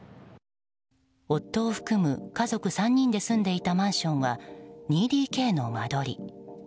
夫を含む家族３人で住んでいたマンションは２ＤＫの間取り。